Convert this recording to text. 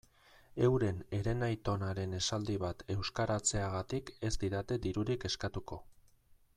Euren herenaitonaren esaldi bat euskaratzeagatik ez didate dirurik eskatuko.